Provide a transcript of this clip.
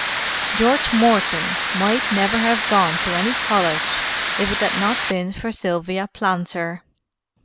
George Morton might never have gone to any college if it had not been for Sylvia Planter.